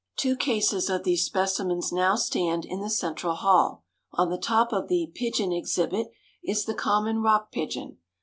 Two cases of these specimens now stand in the Central Hall. On the top of the "pigeon exhibit" is the common rock pigeon.